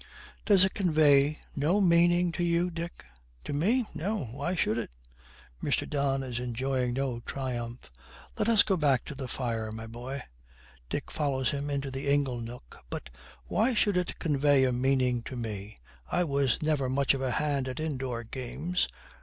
'Does it convey no meaning to you, Dick?' 'To me? No; why should it?' Mr. Don is enjoying no triumph. 'Let us go back to the fire, my boy.' Dick follows him into the ingle nook. 'But, why should it convey a meaning to me? I was never much of a hand at indoor games.'